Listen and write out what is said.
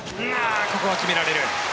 ここは決められる。